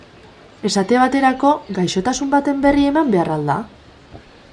Esate baterako, gaixotasun baten berri beti eman behar al da?